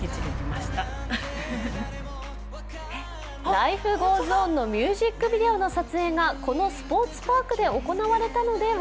「Ｌｉｆｅｇｏｅｓｏｎ」のミュージックビデオの撮影がこのスポーツパークで行われたのでは？